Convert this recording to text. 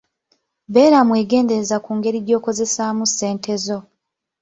Beera mwegendereza ku ngeri gy'okozesaamu ssente zo.